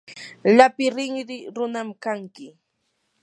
lapi rinri runam kanki.